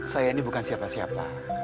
saya ini bukan siapa siapa